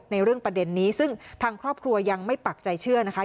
ในเรื่องประเด็นนี้ซึ่งทางครอบครัวยังไม่ปักใจเชื่อนะคะ